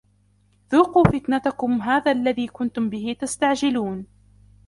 ذُوقُوا فِتْنَتَكُمْ هَذَا الَّذِي كُنْتُمْ بِهِ تَسْتَعْجِلُونَ